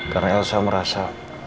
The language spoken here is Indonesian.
karena elsa merasa